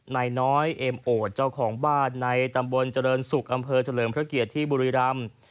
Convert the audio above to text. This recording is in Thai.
นายน้อยเอ็มโอดเจ้าของบ้านในตำบลเจริญศุกร์อำเภอเฉลิมพระเกียรติที่บุรีรำ